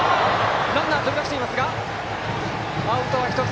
ランナー飛び出していましたがアウトは１つ。